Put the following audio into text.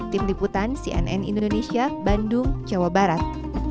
tim liputan cnn indonesia bandung jawa barat